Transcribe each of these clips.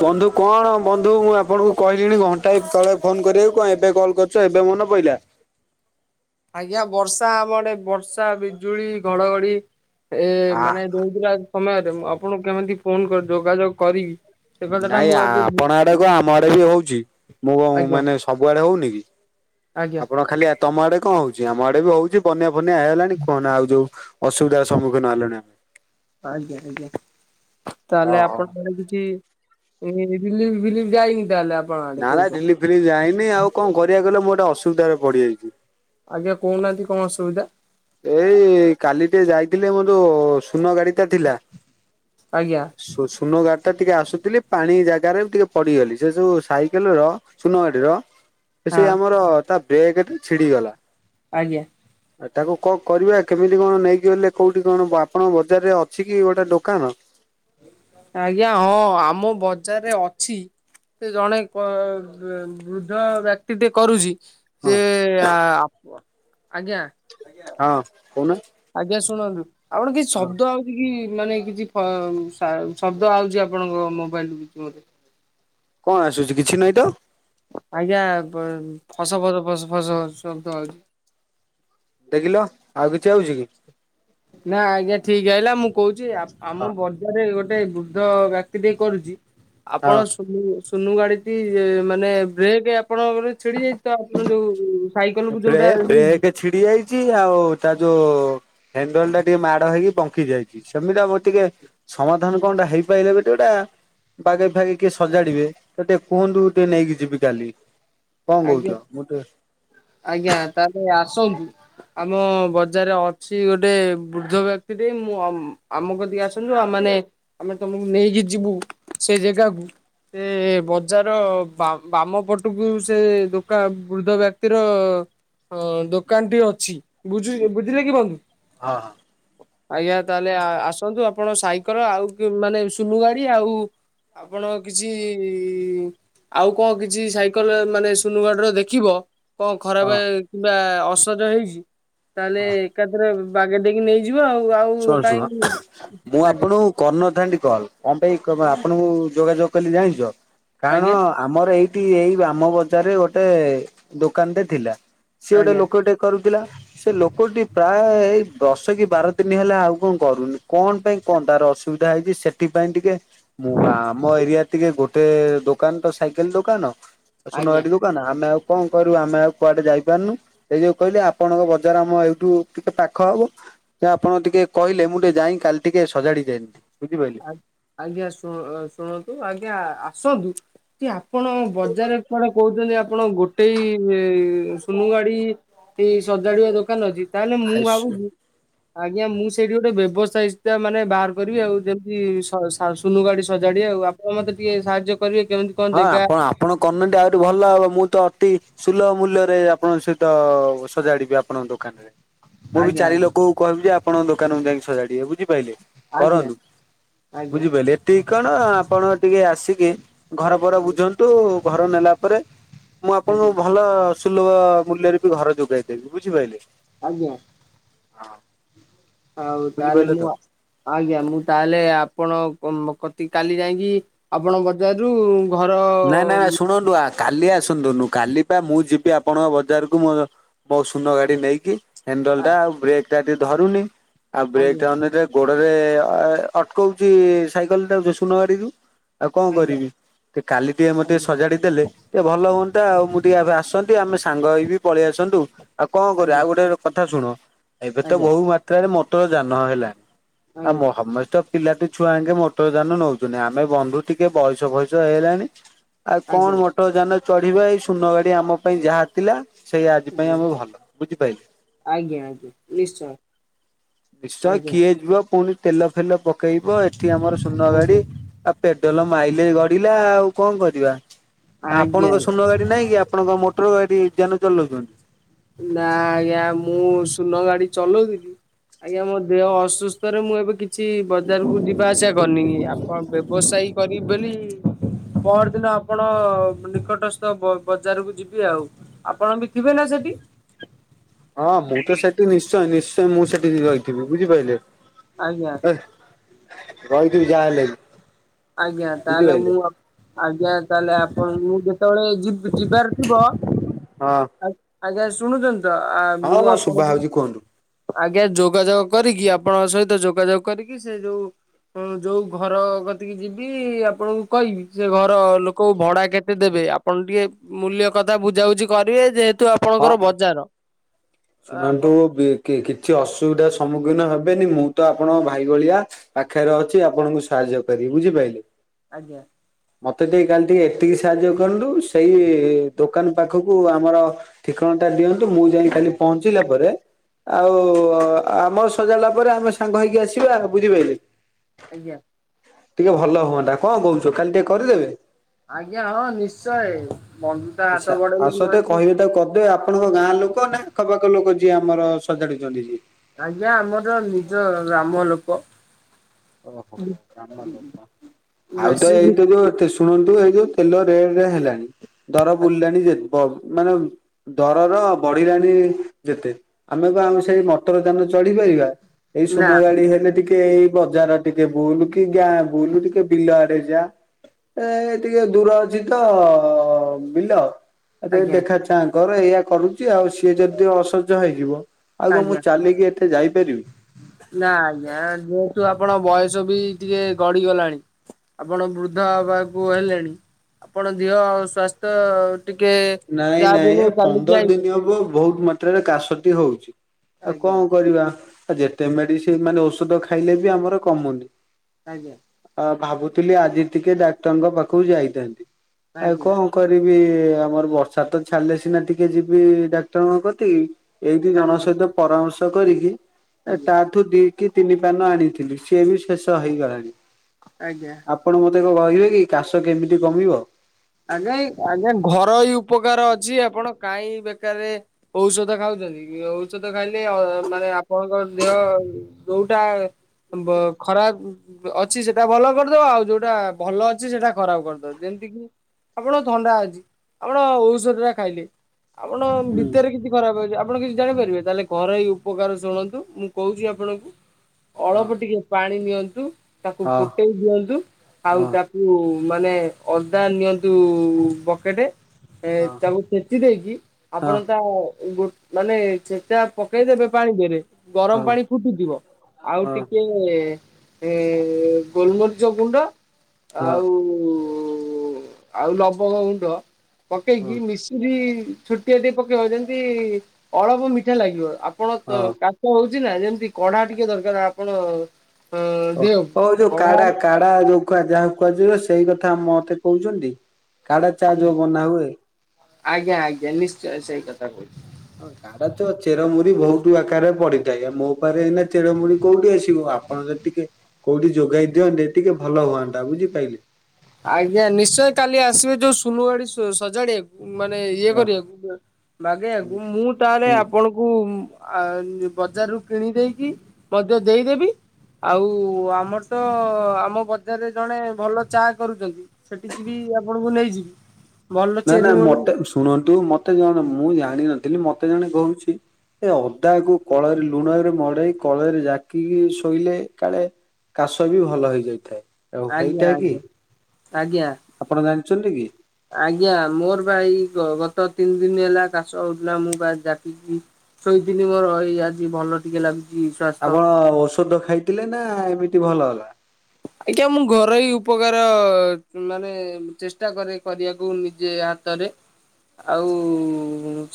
ବନ୍ଧୁ କଣ ବନ୍ଧୁ ମୁଁ ଆପଣଙ୍କୁ କହିଲିଣି ଘଣ୍ଟାଏ ତଳେ ଫୋନ କରିବାକୁ କଣ ଏବେ କଲ୍ କରିଛ ଏବେ ମନ ପହିଲା। ଆଜ୍ଞା ବର୍ଷା ଆମଟେ ବର୍ଷା ବିଜୁଳି ଘଡଘଡି। ଏ ଆ ମାନେ ଦଉଥିଲା ସମୟରେ ମୁଁ ଆପଣଙ୍କୁ କେମିତି ଫୋନ ଯୋଗାଯୋଗ କରିବି। ସେ କଥାଟା ନାଇଁ ମୁଁ ଆଗେ ବୁ ଆପଣ ଆଡେ କ ଆମ ଆଡେ ବି ହଉଛି ମୁଁ କ ଆଜ୍ଞା ମାନେ ସବୁଆଡେ ହଉନି କି ଆଜ୍ଞା ଆପଣ ଖାଲି ତମ ଆଡେ କଣ ହଉଛି ଆମ ଆଡେ ବି ହଉଛି। ପନା ଫନି ହେଇ ହେଲାଣି କହ ଆଉ ଅସୁବିଧାର ସମ୍ମୁଖୀନ ହେଲାଣି ଆମେ ଆଜ୍ଞା ଆଜ୍ଞା ତାହେଲେ ଆପଣ ମାନେ କିଛି ଏ ଦିଲିପ ବିଲିପ ଯାଇନି ତାହେଲେ ଆପଣ ଆଡେ ନା ନା କହୁଛ ଡେଲି ଫ୍ରି ଯାଇନି ଆଉ କଣ କରିବାକୁ ଗଲେ ମୁଁୋଟେ ଅସୁବିଧାରେ ପଡିଯାଇଛି ଆଜ୍ଞା କହୁନାହାନ୍ତି କଣ ଅସୁବିଧା ଏଇ କାଲି ଟେ ଯାଇଥିଲେ ମୋର ଯୋଉ ସୁନ ଗାଡି ଟା ଥିଲା ଆଜ୍ଞା ସୁନ ଘାଟ ତ ଟିକେ ଆସୁଥିଲି ପାଣି ଜାଗାରେ ବି ଟିକେ ପଡିଗଲି ସେ ଯଉ ସାଇକେଲ ର ସୁନାଗଡିର ସେ ହଁ ଆମର ତା ବ୍ରେକ୍ ଏତେ ଛିଡିଗଲା ଆଜ୍ଞା ଆଉ ତାକୁ କ କରିବା କେମିତି କଣ ନେଇକି ଗଲେ କୋଉଠି କଣ ଆପଣ ବଜାରରେ ଅଛି କି ଗୋଟେ ଦୋକାନ ଆଜ୍ଞା ହଁ ଆମ ବଜାରରେ ଅଛି ସେ ଜଣେ ବୃଦ୍ଧ ବ୍ୟକ୍ତି ଟେ କରୁଛି ହଁ ସେ ଆଜ୍ଞା ହଁ କହୁନ ଆଜ୍ଞା ଶୁଣନ୍ତୁ ଆପଣ କିଛି ହଁ ଶବ୍ଦ ଆଉ ମାନେ କିଛି ଶବ୍ଦ ଆଉଛି ଆପଣଙ୍କ ମୋବାଇଲ ମେ ହ କଣ ଆସୁଛି କିଛି ନହିଁ ତ ଆଜ୍ଞା ଫସ ଫସ ଫସ ଫସ ଫ ସବୁ ହଉଛି ଗୋ ଦେେ କିଲ ଆଉ କିଛି ଆଉଛି କି ନା ଆଜ୍ଞା ଠିକ ହେଇିଲା ମୁଁ କହୁଛି ହଁ ଆମ ଗୋଟେ ବୃଦ୍ଧ ବ୍ୟକ୍ତି ଟେ କରୁଛି ହଁ। ଆପଣ ସୁନୁ ଗାଡିଟି ମାନେ ବ୍ରେକ୍ ଆପଣଙ୍କର ଛିଡି ଯାଇ ତ ଆପଣ ଯୋଉ ସାଇକେଲ କୁ ବ୍ରେ ଯୋଉଟା ବ୍ରେକ୍ ଛିଡି ଯାଇଛି ଆଉ ତା ଯୋଉ ହଣ୍ଡଲ ଟା ଟିକେ ମାଡ ହେଇକି ପଙ୍କି ଯାଇଛି ସେମିତି ମୁର ଟିକେ ସମାଧାନ କଣଟା ହେଇପାରିଲ ବଟେ ଗୋଟା ବାଗେଇ ଫାଗେଇ କିଏ ସଜାଡିବେ ତ ଟିକେ କୁହନ୍ତୁ ଟିକେ ନେଇକି ଯିବି କାଲି କଣ ଆଜ୍ଞା କହୁଛ ମତେ ଆଜ୍ଞା ତାହେଲେ ଆସନ୍ତୁ ଆମ ବଜାରରେ ଅଛି ଗୋଟେ ବୃଦ୍ଧ ବ୍ୟକ୍ତି ଟ ମୁଁ ଆମକୁ ଟିକେ ଆସ ମାନେ ଆମେ ତମକୁ ନେଇକି ଯିବୁ ସେ ଜାଗାକୁ ସେ ବଜାର ବାମ ପଟକୁ ସେ ଦୋକ ବୃଦ୍ଧ ବ୍ୟକ୍ତିର ହଁ ଦୋକାନଟି ଅଛି ବୁଝୁ ବୁଝିଲେ କି ବଧୁ ହଁ ହଁ ଆଜ୍ଞା ତାହେଲେ ଆସନ୍ତୁ ଆପଣ ସାଇକେଲ ଆଉ ମାନେ ସୁନୁ ଗାଡି ଆଉ ଆପଣ କିଛି ଆଉ କଣ କିଛି ସାଇକେଲ ମାନେ ସୁନୁଗଡ ରରେ ଦେଖିବ କଣ ହଁ। ଖରାପ କିମ୍ବା ଅସଜ ହେଇଛି ତାହେଲେ ଏକାଥରେ ବାଗେ ଦେଇକି ନେଇଯିବ ଆଉ ଆଉ ଶୁଣ ଶୁଣ କାହିଁକ ମୁଁ ଆଜଞା ଆପଣଙ୍କୁ କରିନଥାନ୍ତି କଲ କଣ ପାଇଁ ଆପଣଙ୍କୁ ଯୋଗାଯୋଗ କଲି ଜାଣିଛ କାରଣ ଆଜ୍ଞା ଆମର ଏଇଠି ଏଇ ବାମ ବଜାରରେ ଗୋଟେ ଦୋକାନଟେ ଥିଲା ସେିଏ ଗୋଟେ ଆଜ୍ଞା ଲୋକ ଟିକେ କରୁଥିଲା ସେ ଲୋକଟି ପ୍ରାୟ ବର୍ଷ କି ବାର ଦିନ ହେଲେ ଆଉ କଣ କରୁନି କଣ ପାଇଁ କଣ ତାର ଅସୁବିଧା ହେଇଛି ସେଥିପାଇ ଟିକେ ମୁଁ ଆମ ଏରିଆ ଟିକେ ଗୋଟେ ଦୋକାନ ତ ସାଇକେଲ ଦୋକାନ ଆ ଶୁଣ ଆଜ୍ଞା ଟକୁ ଆମେ ଆଉ କଣ କରିବୁ ଆମେ ଆଉ କୁଆଡେ ଯାଇପାରୁନୁ ସେଇ ଯୋଉ କହିଲି ଆପଣଙ୍କ ବଜାର ଆମ ଏଇଠୁ ଟିକେ ପାଖ ହବ ଆପଣ ଟିକେ କହିଲେ ମୁଁ ଟିକେ ଯାଇ କାଲି ଟିକେ ସଜାଡି ଯାନ୍ତିି ବୁଝିପାରେ ଆଜ୍ଞା ଶ ଶୁଣନ୍ତୁ ଆଜ୍ଞା ଆସନ୍ତୁ କି ଆପଣ ବଜାର କଆଡେ କହୁଛନ୍ତି ଆପଣ ଗୋଟେ ସୁନୁ ଗାଡି ଏ ସଜାଡଆ ଦୋକାନ ଅଛି ତାହେଲେ ମୁଁ ଆଇସୁ ଭାବୁଛି ଆଜ୍ଞା ମୁଁ ସେଇଠି ଗୋଟେ ବ୍ୟବସାୟ ମାନେ ବାହାର କରିବି ଆଉ ଯେମତି ସୁନୁ ଗାଡି ସଜାଡେ ଆଉ ଆପଣ ମତେ ଟିକେ ସାହାଯ୍ୟ କରିବେ କେମିତି କଣ ହଁ ଜେଗା ଆପଣ ଆପଣଙ୍କ କର୍ନଟି ଆହୁରି ଭଲ ହବ ମୁଁ ତ ଅତି ସୁଲଭ ମୂଲ୍ୟରେ ଆପଣଙ୍କ ସହିତ ସଜାଡିବେ ଆପଣଙ୍କ ଦୋକାନରେ ମୁଁ ବି ଆଜ୍ଞା ଚାରି ଲୋକଙ୍କୁ କହିବି ଯେ ଆପଣଙ୍କୋକାନକୁ ଯାଇକି ସଜାଡିବେ ବୁଝିପାରେ ଆଜ୍ଞା କରନ୍ତୁ ଆଜ୍ଞା ବୁଝିପାରିଲେ ଏତିି କଣ ଆପଣ ଟିକେ ଆସିକି ଘର ବର ଆଜ୍ଞା ବୁଝନ୍ତୁ ଘର ନେଲା ପରେ ମୁଁ ଆପଣଙ୍କୁ ଆଜ୍ଞା ଭଲ ସୁଲଭ ମୂଲ୍ୟରେ ବି ଘର ଯୋଗେଇଦେବି ବୁଝିପାରିଲେ ଆଜ୍ଞା ହଉଦ ଆଲେ ବୁଝିପାରିଲେ ତ? ମୁ ଆଜ୍ଞା ମୁଁ ତାହେଲେ ଆପଣ କ ମ କତି କାଲି ଯାଇଁକି ଆପଣ ମତ୍ ତାରୁ ଘର ଅ ଅ ଶୁଣୁ ଡୁଆକ୍ କାଲି ଆସନ୍ତୁନୁ କାଲି ପା ମୁଁ ଯିବି ଆପଣ ବଜାରକୁ ମୋର ବଉ ଶୂନ ଗାଡି ନେଇକି। ହେଣ୍ଡଲ ଆ ଟା ଆଉ ବ୍ରେକ୍ ଟା ଟିକେ ଧରୁନି ଆଉ ବ୍ରେକ୍ ଆଜ୍ଞା ଟା ଅନେଇଲେ ଗୋଡରେ ଏ ଅଟକଉଚି ସାଇକଲ ଟାକୁ ଯୋଉ ଶୂନ ଗାଡି କୁ ଆଉ କଣ ଆଜ୍ଞା କରିବି? ଏ କାଲି ଟିଏ ମତେ ଆଜ୍ଞା ସଜାଡି ଦେଲେ ଟିଏ ଭଲ ହୁଅନ୍ତା ଆଉ ମୁଁ ଟିକେ ଏବେ ଆସନ୍ ନ୍ତି। ଆମେ ସାଙ୍ଗ ହେଇ ବି ପଳେଇ ଆସନ୍ତୁ। ଆଉ କଣ କରିବା? ଆଜ୍ଞା ଆଉ ଗୋଟେ କଥା ଶୁଣ ଏବେ ତ ଆଜ୍ଞା ବୋଉ ମା ହେ ମଟର ଯାନ ହେଲା ଆଉମ ଆଜ୍ଞା ହମସ୍ତେ ପିଲାଟୁ ଛୁଆ ଆଙ୍କେ ମୋଟର ଯାନ ନଉଚନ୍ତିି। ଆମେ ବନ୍ଧୁ ଟିକେ ବୟସ ଫଇସ ହେଇଲାଣି। ଆଉ କଣ ଆଜ୍ଞା ମୋଟର ଯାନ ଚଢିବା ଏଇ ଶୂନ ଗାଡି ଆମ ପାଇଁ ଯାହା ଥିଲା ସେଇ ଆଜି ପାଇଁ ଆମେ ଭଲ ବୁଝିପାଇଲ ଆଜ୍ଞା ଆଜ୍ଞା ନିଶ୍ଚୟ। ନିଶ୍ଚୟ ଆଜ୍ଞା କିଏ ଯିବ ପୁଣି ତେଲ ଫେଲ ପକେଇବ ଏଠି ଆମର ଶୂନ ଗାଡି। ଆଜ୍ଞା ଆଉ ପେଡେଲ ମାଇଲେ ଗଡିଲା ଆଉ କଣ କରିବା? ଆପଣଙ୍କ ଆଜ୍ଞା ଶୂନ ଗାଡି? କିଛି ନାଇଁ କି ଆପଣଙ୍କ ମୋଟର ଗାଡି ଯାନ ଚଲଉଚନ୍ତି। ନା ଆଜ୍ଞା ମୁଁ ଶୂନ ଗାଡି ଚଲଉଥିଲି ଆଜ୍ଞା ମୋ ଦେହ ଅସୁସ୍ଥରେ ମୁଁ ଏବେ କିଛି ବ ବଜାରକୁ ଯିବା ଆସିୟା କଲିନିି। ଆପଣ ବ୍ୟବସାୟୀ କରିବି ବେଲି ପଅର ଦିନ ଆପଣ ନିକଟସ୍ଥ ବଜାରକୁ ଯିବି ଆଉ। ଆପଣ ବି ଥିବେ ନା ସେଠି? ହଁ ମୁଁ ତ ସେଠି ନିଶ୍ଚୟ ନିଶ୍ଚୟ ମୁଁ ସେଠି ହି ରହିଥିବି ବୁଝିପାଇଲେ। ଆଜ୍ଞା। ହେ ରହିଥିବି ଯାହା ହେଲେ ବି। ଆଜ୍ଞା ତାହେଲେ ବୁଝିପାରିଲେ ମୁଁ ଆପ୍ ଆଜ୍ଞା ତାହେଲେ ଆପଣ ମୁଁ ଯେତେବେଳେ ଯିବ୍ ଯିବାର ଥିବ ହଁ। ଆଜ୍ଞା ଶୁଣୁଚନ୍ତି ତ ଆ ହଁ ମୁଁ ମୋ ଶୁଭା ଆପଣଙ୍କୁ ହଉଛି କୁହନ୍ତୁ। ଆଜ୍ଞା ଯୋଗାଯୋଗ କରିକି ଆପଣଙ୍କ ସହିତ ଯୋଗାଯୋଗ କରିକି ସେ ଯୋଉ ଉଁ ଯୋଉ ଘର ଟିକେ ଯିବି ଆପଣଙ୍କୁ କହିବି ସେ ଘର ଲୋକ ଭଡା କେତେ ଦେବେ ଆପଣ ଟିକେ ମୂଲ୍ୟ କଥା ବୁଝାବୁଝି କରିବେ ଯେହେତୁ ହଁ ଆପଣଙ୍କର ବଜାର। ଆପଣ ଶୁଣନ୍ତୁ ବି କିଛି ଅସୁବିଧା ସମ୍ମୁଖୀନ ହେବେନି। ମୁଁ ତ ଆପଣଙ୍କ ଭାଇ ଭଳିଆ। ପାଖେରେ ଅଛି। ଆପଣଙ୍କୁ ସାହାଯ୍ୟ କରିବି ବୁଝିପାଇଲେ। ଆଜ୍ଞା। ମତେ ଟିକେ କାଲି ଟିକେ ଏତିକି ସାହାଯ୍ୟ କରନ୍ତୁ ସେଇ ଦୋକାନ ପାଖକୁ ଆମର ଠିକଣା ଟା ଦିଅନ୍ତୁ ମୁଁ ଯାଇ କାଲି ପହଞ୍ଚିଲା ପରେ ଆଉ ଆଜ୍ଞା ଆମ ସଜାଡ଼ଲା ପରେ ଆମେ ସାଙ୍ଗ ହେଇକି ଆସିବା ଆଉ ବୁଝିପାଇଲେ। ଆଜ୍ଞା। ଟିକେ ଭଲ ହୁଅନ୍ତା। କଣ କହୁଚ କାଲି ଟିକେ କରିଦେବେ? ଆଜ୍ଞା ହଁ ନିଶ୍ଚୟ ମନି ଆଚ୍ଛା ଅସତ କହିବେ ତାକୁ କରିଦେବେ। ଆପ ଆପଣଙ୍କ ଗାଁ ଲୋକ ନା ଆଖପଖ ଲୋକ ଯିଏ ଆମର ସଜାଡୁଚନ୍ତି ଯିଏ? ଆଜ୍ଞା ଆମର ନିଜ ଗ୍ରାମ ଲୋକ। ଓହୋ ଗ୍ରାମ ଲୋକ ଆଉ ତ ବେଶୀ ଏଇଟା ଯୋଉ ତିସ୍ ଶୁଣନ୍ତୁ ଏଇ ଯୋଉ ତେଲ ରେଟେ ହେଲାଣି ଦର ବୁଲିଲାଣି ଯେ ବ ମାନେ ଦରର ବଢିଲାଣି ଯେତେ ଆମେ ବା ଆମ ସେଇ ମଟର ଯାନ ଚଢପାରିବା। ଏଇ ନା ଶୂନ ଗାଡି ହେଲେ ଟିକେ ଏଇ ବଜାର ଟିକେ ବୁଲୁ କି ଗାଁ ବୁଲୁ ଟିକେ ବିଲ ଆଡେ ଯା। ଏ ଟିକେ ଦୂର ଅଛି ତ ବିଲ ଆ ଆଜ୍ଞା ଦେଖା ଚାଙ୍କର ଏଇୟଆ କରୁଛି ଆଉ ସିଏ ଯଦି ଅସହଜ୍ୟ ହେଇଯିବ ଆଉଗ ମୁଁ ଆଜ୍ଞା ଚାଲିକି ଏତେ ଯାଇପାରିବି ନା ଆଜ୍ଞା ଯେହେତୁ ଆପଣ ବୟସ ବି ଟିକେ ଗଢି ଗଲାଣି ଆପଣ ବୃଦ୍ଧ ହେବାକୁ ହେଲେଣି ଆପଣ ଦିଅ ସ୍ଵାସ୍ଥ୍ୟ ଟିକେ ନାଇଁ ଯାହା ନାଇଁ ବି ଏ ହେଲେ ଚାଲିକି ପନ୍ଦର ଆଇଲେ। ଦିନ ହବ ବହୁତ ମେ ପାତ୍ରରେ କାଶଟି ହଉଛି ଆଉ ଆଜ୍ଞା କଣ କରିବା ଆଉ ଯେତେ ମେଡି ସେ ମାନେ ଔଷଧ ଖାଇଲେ ବି ଆମର କମୁନି ଆଜ୍ଞା ଆ ଭାବୁଥିଲି ଆଜି ଟିକେ ଡାକ୍ତରଙ୍କ ପାଖକୁ ଯାଇଥାନ୍ତି ଆଉ ଆଜ୍ଞା କଣ କରିବି ଆମର ବର୍ଷା ତ ଛାଲେେ ସିନା ଟିକେ ଯିବି ଡାକ୍ତରଙ୍କ କତି ଏଇ ଦି ଜଣଙ୍କ ଆଜ୍ଞା ସହିତ ପରାମର୍ଶ କରିକି ଆଜ୍ଞା ତାଠୁ ଦ କି ତିନି ପାନ ଆଣିଥିଲି ସିଏ ବି ଶେଷ ହେଇଗଲାଣି ଆଜ୍ଞା ଆପଣ ମତେ କହିବେ କି କାଶ କେମିତି କମିବ ଆଜ୍ଞା ଆଜ୍ଞା ଘର ହଇ ଉପକାର ଅଛି ଆପଣ କହିଁ ବେକାର ଔଷଧ ଖାଉଛନ୍ତି ଔଷଧ ଖାଇଲେ ମାନେ ଆପଣଙ୍କ ଦେହ ଯୋଉଟା ଖରାପ ଅଛି ସେଟା ଭଲ କରିଦବ ଆଉ ଯୋଉଟା ଭଲ ଅଛି ସେଟା ଖରାପ କରିଦବ ଯେମିତି କିି ଆପଣଙ୍କୁ ଥଣ୍ଡା ହେଇଛି, ଆପଣ ଔଷଧ ଟା ଖାଇଲେ, ଆପଣ ହୁଁ ଭିତରେ କିଛି ଖରାପ ହଉଛି ଆପଣ କିଛି ଜାଣିପାରିବେ, ତାହେଲେ ଘରୋଇ ଉପକାର ଶୁଣନ୍ତୁ, ମୁଁ କହୁଛି ଆପଣଙ୍କୁ ହଁ ଅଳପ ଟିକେ ପାଣି ନିଅନ୍ତୁ, ତାକୁ ହଁ ଫୁଟେଇ ଦିଅନ୍ତୁ। ଆଉ ହଁ ତା ମାନେ ଅଦା ନିଅନ୍ତୁ ବକେଟ ଏ ହଁ ତାକୁ ସପଠି ଦେଇକି ଆପଣ ହଁ ତା ଗୋ ମାନେ ସେଟା ପକେଇଦେବେ ପାଣି ରେ, ଗରମ ହଁ ପାଣି ଫୁଟଥିବ ଆଉ ହଁ। ଟିକେ ଗୋଲମରିଚ ଗୁଣ୍ଡ ହଁ ଆଉ ଆଉ ଲବଙ୍ଗ ଗୁଣ୍ଡ ହଁ ପକେଇକି ମିଶେଇ ଛୋଟିଆ ଟେ ପକେଇବ ଯେମିତି ଅଳପ ମିଠା ଲାଗିବ, ଆପଣା ହଁ। ହଉଛି ନା ଯେମିତି କଢା ଟିକେ ଦରକାର ଆପଣ ଅ ଓ ଦେହକୁ ହଉ ଯୋଉ କଢା କାଡା କା [unintelligible] ସେଇ କଥା ମ ମତେ କହୁଛନ୍ତି ଆଜ୍ଞା, ଆଜ୍ଞା ନିଶ୍ଚୟ ସେଇ କଥା କହୁଛି। ଆଡା ତ ଚେରମୁରି ବହୁତ ଆକାରରେ ପଡିଥାଏ ମୋ ପାଖରେ ଏଇନା ଚେରମୁରି କୋଉଠି ଆସିବ ଆପଣ ଯ ଟିକେ କୋଉଠି ଯୋଗାଇ ଦିଅନ୍ତେ ଟିକେ ଭଲ ହୁଅନ୍ତା ବୁଝିପାରିଲେ ଆଜ୍ଞା, ନିଶ୍ଚୟ କାଲି ଆସିବେ ଯୋଉ ସୁଲୁବାଡି ସଜାଡିବାକୁ ମାନେ ଇଏ ହଁ କରିବାକୁ, ବାଗେଇବାକୁ। ମୁଁ ତାହେଲେ ହୁଁ। ଆପଣ ବଜାର ରୁ କିଣି ଦେଇକି ମଧ୍ୟ ଦେଇଦେବି ଆଉ, ଆମର ତ, ଆମ ବଜାରରେ ଜଣେ ଭଲ ଚା କରୁଛନ୍ତି ସେଠିକି ବି ଆପଣଙ୍କୁ ନେଇଯିବି। ଭଲ ନା, ନା ଚେରିମଣି ମତେ ଶୁଣନ୍ତୁ, ମତେ ଜଣେ ମୁଁ ଜାଣିନଥିଲି, ମତେ ଜଣେ କହୁଛି ଏ ଅଦାକୁ କଳରେ ଲୁଣରେ ମଡେଇ, କଳରେ ଜାକିକି ଶୋଇଲେ କାଳେ କାଶ ବି ଭଲ ହେଇଯାଇଥାଏ। ଆଉ ହେଇଟା ଆଜ୍ଞା, କି ଆଜ୍ଞା, ଆଜ୍ଞା।। ଆପଣ ଜାଣିଛନ୍ତି କି ଆଜ୍ଞା, ମୋର ବା ଏଇ ଗତ ତିନି ଦିନ ହେଲା କାଶ ହଉଥିଲା ମୁଁ ବା ଜାକିକି [unintelligible] ଆଜି ଭଲ ଟିକେ ଲାଗୁଛି ସ୍ୱାସ୍ଥ୍ୟ ଆପଣ ଔଷଧ ଖାଇଥିଲେ ନା ଏମିତି ଭଲ ହେଲା। ଆଜ୍ଞା, ମୁଁ ଘରୋଇ ଉପକାର ମାନେ ଚେଷ୍ଟା କରେ କରିବାକୁ ନିଜେ ହାତରେ। ଆଉ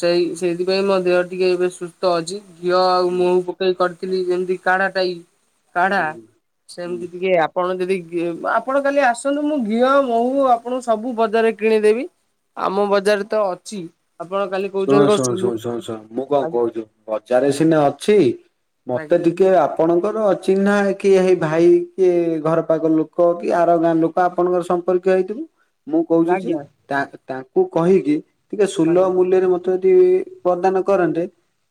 ସେଇ ସେଇଥିପାଇଁ ମୋ ଦେହ ଟିକେ ଏବେ ସୁସ୍ଥ ଅଛି। ଘିଅ ଆଉ ହୁଁ ମହୁ ପକେଇ କରିଥିଲି, ଯେମିତି କାଢାଟାଇ କାଢା ହୁଁ ହୁଁ ସେମିତି ଟିକେ ଆପଣ ଯଦି ଆପଣ କାଲି ଆସନ୍ତୁ, ମୁଁ ଘିଅ ମହୁ ଆପଣଙ୍କୁ ସବୁ ବଜାରରେ କିଣିଦେବି। ଆମ ବଜାର ରେ ତ ଅଛି। ଆପଣ କାଲି ଶୁଣ, କହୁଛନ୍ତି କଣ ଶୁଣ, ସୁନୁ ଶୁଣ, ଶୁଣ, ଶୁଣ, ମୁଁ କଣ କହୁଛୁ ବଜାରେ ସିନା ଅଛି, ଆଜ୍ଞା ମତେ ଟିକେ ଆପଣଙ୍କର ଅଚିହ୍ନା ହେଇକି ଏ ଭାଇ କି ଘର ପାଖ ଲୋକ, କି ଆର ଗାଁ ଲୋକ ତ ଆପଣଙ୍କର ସମ୍ପର୍କୀୟ ହେଇଥିଲୁ ମୁଁ କହୁଛି ଯେ ଆଜ୍ଞା ତା ତାଙ୍କୁ କହିକି ଟିକେ ଆଜ୍ଞା ସୁଲମ [unintelligible] ପ୍ରଦାନ କରନ୍ତେ,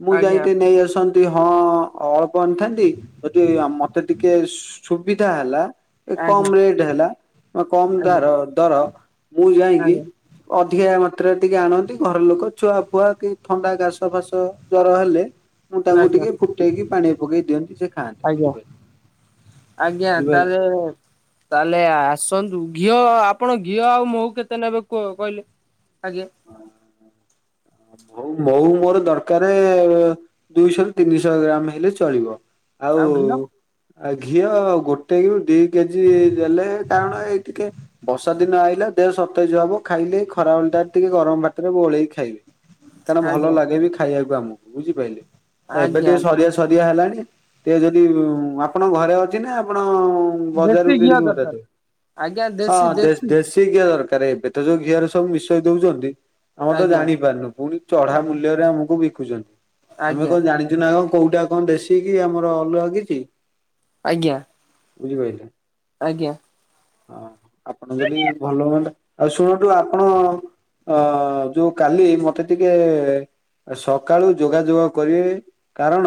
ମୁଁ ଯାଇକି ଆଜ୍ଞା ଟିକେ ନେଇ ଆସନ୍ତି। ହଁ ହଁ ହୁଅନ୍ତାନି ଯଦି ମତେ ଟିକେ ସୁବିଧା ହେଲା, ଟିକେ ଆଜ୍ଞା କମ ଆଜ୍ଞା ରେଟ୍ ହେଲା ବା କମ ଦ ଦର, ମୁଁ ଯାଇକି ଆଜ୍ଞା ଅଧିକା ମାତ୍ରାରେ ଟିକେ ଆଣନ୍ତି ଘର ଲୋକ ଛୁଆ ଫୁଆ, କି ଥଣ୍ଡା, କାଶ ଫାସ, ଜର ହେଲେ ମୁଁ ତାଙ୍କୁ ଆଜ୍ଞା ଆଜ୍ଞା ଟିକେ ଫୁଟେଇକି ପାଣି ପକେଇ ଦିଅନ୍ତି, ସେ ଖଆନ୍ତି ଆଜ୍ଞା। ବୁଝିପାରିଲେ। ଆଜ୍ଞା, ବୁଝିପାରିଲେ। ତାହେଲେ ତାହେଲେ, ଆସନ୍ତୁ ଘିଅ ଆପଣ ଘିଅ ଆଉ ମହୁ କେତେ ନେବେ କୁହ କହିଲେ ଆଜ୍ଞା ମ ମହୁ ମୋର ଦରକାର ଦୁଇଶହ ର ତିନିଶହ ଗ୍ରାମ ହେଲେ ଚଳିବ ଆଉ ଆ ଘିଅ ଗୋଟେ କି ଦି କେଜି ଦେଲେ କାରଣ ଏଇ ଟିକେ ବର୍ଷା ଦିନ ଆଇିଲା ଦେହ ସତେଜ ହବ ଖାଇଲେ ଖରା ଭଳି ଟା ଟିକେ ଗରମ ଭାତରେ ଗୋଳେଇି ଖାଇବେ କାରଣ ଭଲ ଆଜ୍ଞା ଲାଗେ ବିି ଖାଇବାକୁ ଆମକୁ ବୁଝିପାରିଲେ ଏବେ ଆଜ୍ଞା। ଟିକେ ସରିଆ ସରିଆ ହେଲାଣି ଟିକେ ଯଦି ଆପଣ ଘରେ ଅଛି ନା ଆପଣ ବଜାରରୁ ଦେଶୀ ଘିଅ କିଣିକି ହଁ ଦରକାର ଆଜ୍ଞା ଦେଶୀ ଦେଶୀ ଦେଶି ଠିିବା ଦରକାର ଏବେ ତ ଯୋଉ ଘିଅର ସବୁ ମିଶେଇ ଦଉଛନ୍ତି ଆମ ତ ଆଜ୍ଞା ଜାଣି ପାରୁନୁ ପୁଣି ଚଢା ଆଜ୍ଞା। ମୂଲ୍ୟରେ ଆମକୁ ବିକୁଛନ୍ତି ଆମେ ଆଜ୍ଞା କଣ ଜାଣିଛୁ ନା କଉଟା କଣ ଦେଶିକି ଆମର ଅଲଗା କିଛି ଆଜ୍ଞା ବୁଝିପାରିଲେ ଆଜ୍ଞା ହଁ ଆପଣ ଯଦି ଭଲ ହୁଅନ୍ତା ଆଉ ଶୁଣନ୍ତୁ ଆପଣ ଅ ଯୋଉ କାଲି ମତେ ଟିକେ ସକାଳୁ ଯୋଗାଯୋଗ କରିବେ କାରଣ,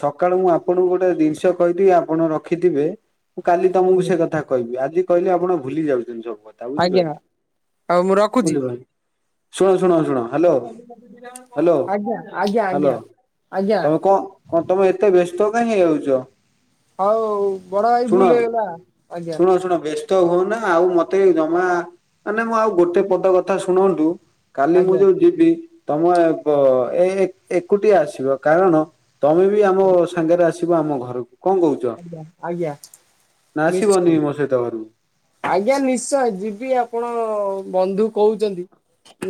ସକାଳୁ ମୁଁ ଆପଣଙ୍କୁ ଗୋଟେ ଜିନିଷ କହିବି ଆପଣ ରଖିଥିବେ ମୁଁ କାଲି ତମକୁ ସେ କଥା କହିବି, ଆଜି କହିଲେ ଆପଣ ଭୁଲି ଯାଉଛନ୍ତି ସବୁ [unintelligible] କହିଲି ଆଜ୍ଞା ଆଉ ମୁଁ ରଖୁଛି ଶୁଣ, ଶୁଣ, ଶୁଣ ହ୍ୟାଲୋ ହ୍ୟାଲୋ ଆଜ୍ଞା ଆଜ୍ଞା ହ୍ୟାଲୋ ଆଜ୍ଞା ଆଜ୍ଞା ତମେ କଣ କଣ ତମେ ଏତେ ବ୍ୟସ୍ତ କାହିଁ ହେଇଯାଉଛ ହଉ ବଡ ଭାଇ ଭୁଲ ହେଇଗଲା ଆଜ୍ଞା ଛଣ ବ ହୁଅ ନା ଆଉ ମତେ ଜମା ମାନେ ମୁଁ ଆଉ ଗୋଟେ ପଦ କଥା ଶୁଣନ୍ତୁ କାଲି ମୁଁ ଆଜ୍ଞା ଯୋଉ ଯିବି ତମେ ଏ ଏକୁଟିଆ ଆସିବ କାରଣ ତମେ ବି ଆମ ସାଙ୍ଗରେ ଆସ ଆମ ଘରକୁ କଣ କହୁଛ ଆଜ୍ଞା ଆଜ୍ଞା। ନା ଆସିବନି ନିଶ୍ଚୟ। ମୋ ସହିତ ଘରକୁ ଆଜ୍ଞା ନିଶ୍ଚୟ ଯିବି ଆପଣ ବନ୍ଧୁ କହୁଛନ୍ତି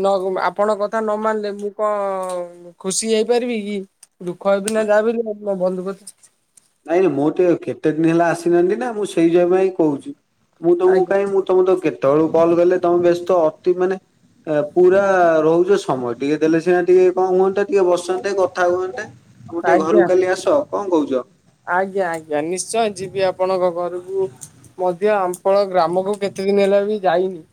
ନ ଆପଣଙ୍କ କଥା ନ ମାନିଲେ ମୁଁ କଣ ଖୁସି ହେଇପାରିବି କି ଦୁଃଖ ହେବି ନା ଯାିନି ବନ୍ଧୁକ ନାଇଁ ନାଇଁ ମୁଁ ଟିକେ କେତେ ଦିନ ହେଲା ଆସିନାହାନ୍ତି ନା ମୁଁ ସେଇ ଜାଗ ପାଇଁ କହୁଛି ମୁଁ ତମକୁ ଆଜ୍ଞା କାଇଁଁ ତମେ ତ କେତେବେଳୁ କଲ୍ ଗଲେ ତମେ ବ୍ୟସ୍ତ ଅତି ମାନେ ପୁରା ରହୁଛ ସମୟ ଟିକେ ଦେଲେ ସିନା ଟିକେ କଣ ହୁଅନ୍ତେ ଟିକେ ବସନ୍ତେ କଥା ହୁଅନ୍ତେ ଆମ ଟିକେ ଆଜ୍ଞା ଘରୁକୁ କାଲି ଆସ କଣ କହୁଛ ଆଜ୍ଞା ଆଜ୍ଞା ନିଶ୍ଚୟ ଯିବି ଆପଣଙ୍କ ଘରକୁ ମଧ୍ୟ ଆପଣ ଗ୍ରାମକୁ କେତେ ଦିନ ହେଲା ବି ଯାଇନି